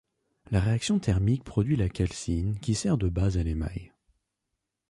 La réaction thermique produit la calcine qui sert de base à l'émail.